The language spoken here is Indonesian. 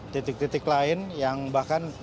titik titik lain yang bahkan